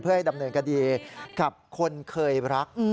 เพื่อให้ดำเนินคดีกับคนเคยรัก